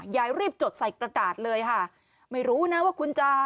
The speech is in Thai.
ยายรีบจดใส่ตัดเลยไม่รู้นะว่าคุณจัด